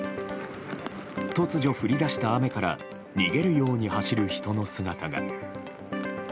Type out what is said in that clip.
突如、降り出した雨から逃げるように走る人の姿が。